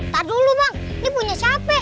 tadulu bang ini punya siapa